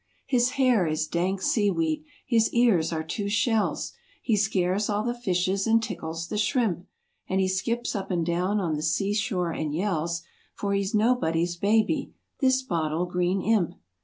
His hair is dank seaweed; his ears are two shells; He scares all the fishes and tickles the shrimp, And he skips up and down on the sea shore and yells, For he's nobody's baby— this Bottle Green Imp.